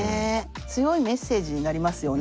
強いメッセージになりますよね。